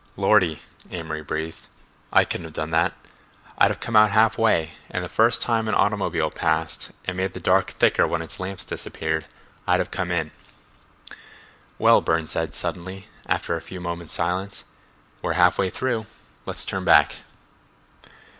"Lordy," Amory breathed. "I couldn't have done that. I'd have come out half way, and the first time an automobile passed and made the dark thicker when its lamps disappeared, I'd have come in." "Well," Burne said suddenly, after a few moments' silence, "we're half way through, let's turn back."